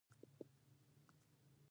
زه خپل غاښونه وینځم